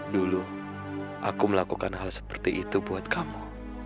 dulu aku melakukan hal seperti itu buat kamu